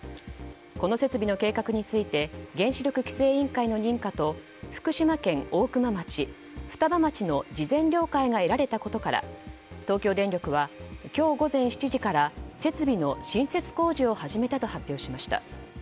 この設備の計画について原子力規制委員会の認可と福島県大熊町、双葉町の事前了解が得られたことから東京電力は今日午前７時から設備の新設工事を始めたと発表しました。